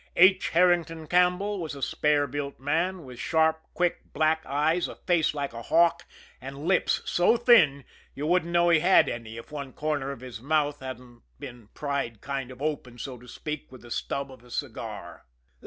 H. Herrington Campbell was a spare built man, with sharp, quick, black eyes, a face like a hawk, and lips so thin you wouldn't know he had any if one corner of his mouth hadn't been pried kind of open, so to speak, with the stub of a cigar.